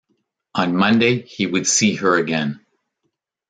On Monday he would see her again.